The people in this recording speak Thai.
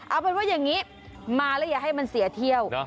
เอาเป็นว่าอย่างนี้มาแล้วอย่าให้มันเสียเที่ยว